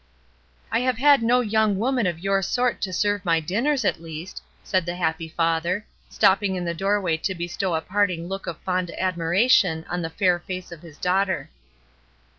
"I have had no young woman of your sort to serve my dinners, at least," said the happy father, stopping in the doorway to bestow a parting look of fond admiration on the fair face of his daughter.